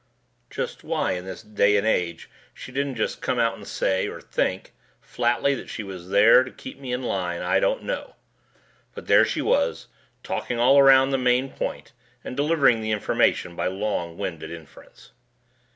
Just why in this day and age she didn't just come out and say or think flatly that she was there to keep me in line, I don't know. But there she was, talking all around the main point and delivering the information by long winded inference.